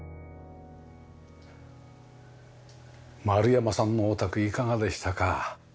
丸山さんのお宅いかがでしたか？